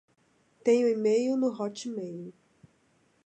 Tenho e-mail no Hotmail